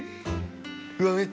うわっ